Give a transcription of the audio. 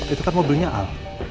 itu kan mobilnya al